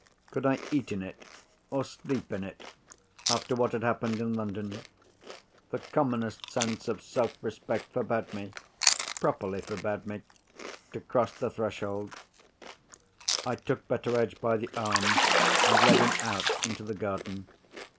Could I eat in it, or sleep in it, after what had happened in London? The commonest sense of self respect forbade me—properly forbade me—to cross the threshold. I took Betteredge by the arm, and led him out into the garden.